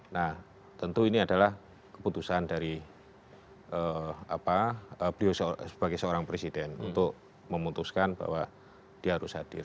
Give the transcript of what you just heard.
nah tentu ini adalah keputusan dari beliau sebagai seorang presiden untuk memutuskan bahwa dia harus hadir